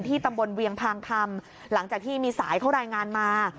ตำบลเวียงพางคำหลังจากที่มีสายเขารายงานมา